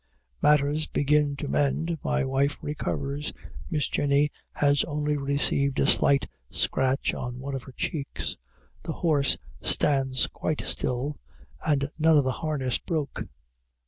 Matters begin to mend my wife recovers Miss Jenny has only received a slight scratch on one of her cheeks the horse stands quite still, and none of the harness broke.